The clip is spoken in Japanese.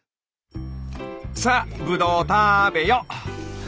さあブドウ食べよ！